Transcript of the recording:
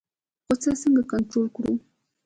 غوسه څنګه کنټرول کړو؟